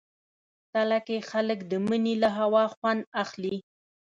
تله کې خلک د مني له هوا خوند اخلي.